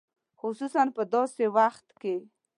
خصوصاً په داسې وخت کې.